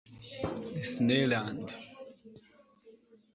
Disneyland